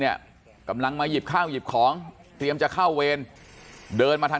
เนี่ยกำลังมาหยิบข้าวหยิบของเตรียมจะเข้าเวรเดินมาทาง